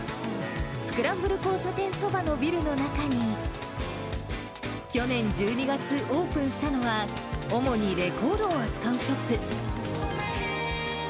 スクランブル交差点そばのビルの中に、去年１２月オープンしたのは、主にレコードを扱うショップ。